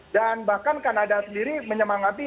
dan bahkan kanada sendiri menyemangati